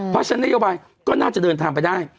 ภาชาแนโยบายก็น่าจะเดินทางไปได้